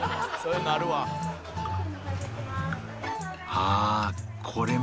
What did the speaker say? ああ！